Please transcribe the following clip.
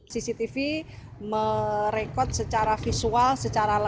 cctv merekod secara visual secara langsung